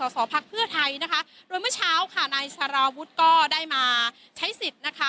สอพักเพื่อไทยนะคะโดยเมื่อเช้าค่ะนายสารวุฒิก็ได้มาใช้สิทธิ์นะคะ